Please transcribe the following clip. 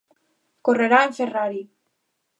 Correrá en Ferrari.